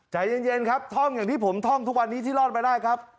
ใจเย็นครับท่องอย่างที่ผมท่องทุกวันนี้ที่รอดไปได้ครับ